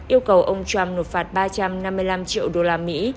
yêu cầu ông trump nộp phạt ba trăm năm mươi năm triệu đô la mỹ